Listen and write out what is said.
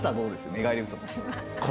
寝返り打った時。